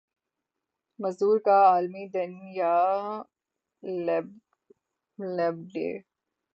مزدور کا عالمی دن یا لیبر ڈے